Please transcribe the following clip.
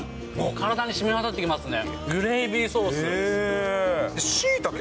体にしみわたってきますね。